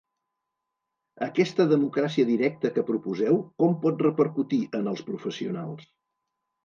Aquesta democràcia directa que proposeu com pot repercutir en els professionals?